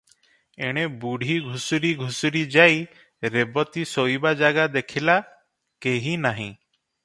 ଏଣେ ବୁଢ଼ୀ ଘୁଷୁରି ଘୁଷୁରି ଯାଇ ରେବତୀ ଶୋଇବା ଜାଗା ଦେଖିଲା, କେହି ନାହିଁ ।